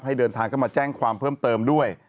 เดินทางเข้ามาแจ้งความเพิ่มเติมด้วย